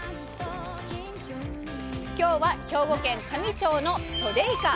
今日は兵庫県香美町のソデイカ。